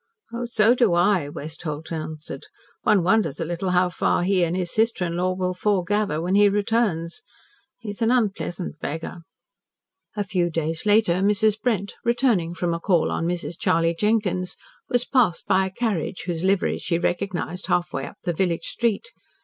"So do I," Westholt answered. "One wonders a little how far he and his sister in law will 'foregather' when he returns. He's an unpleasant beggar." A few days later Mrs. Brent, returning from a call on Mrs. Charley Jenkins, was passed by a carriage whose liveries she recognised half way up the village street.